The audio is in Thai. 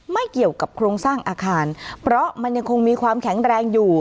ไม่เกี่ยวกับโครงสร้างอาคารเพราะมันยังคงมีความแข็งแรงอยู่